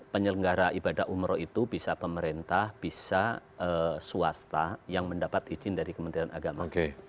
penyelenggara ibadah umroh itu bisa pemerintah bisa swasta yang mendapat izin dari kementerian agama